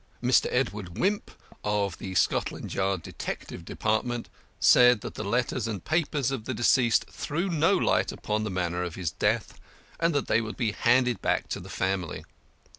Mr. Edward Wimp, of the Scotland Yard Detective Department, said that the letters and papers of the deceased threw no light upon the manner of his death, and they would be handed back to the family.